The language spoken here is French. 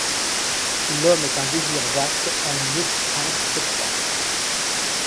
L’homme est un désir vaste en une étreinte étroite